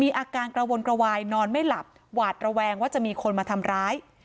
อาการกระวนกระวายนอนไม่หลับหวาดระแวงว่าจะมีคนมาทำร้าย